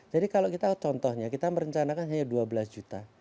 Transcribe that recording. jadi kalau kita contohnya kita merencanakan hanya dua belas juta